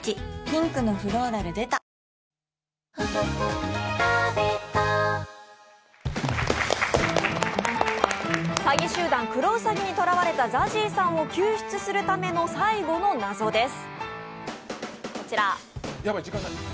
ピンクのフローラル出た詐欺集団クロウサギにとらわれたＺＡＺＹさんを救出するための最後の謎です。